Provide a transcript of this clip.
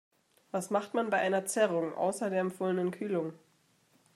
Was macht man bei einer Zerrung, außer der empfohlenen Kühlung?